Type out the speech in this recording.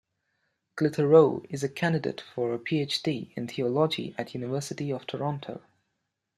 Clitheroe is a candidate for a Ph.D. in Theology at University of Toronto.